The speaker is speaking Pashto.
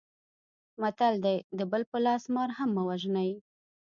متل دی: د بل په لاس مار هم مه وژنئ.